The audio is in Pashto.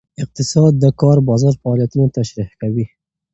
اقتصاد د کار بازار فعالیتونه تشریح کوي.